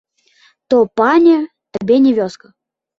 То, пане, табе не вёска!